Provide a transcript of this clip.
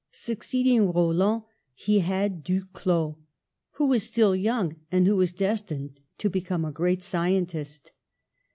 Succeeding Raulin, he had Duclaux, who was still young and who was destined to become a great scientist.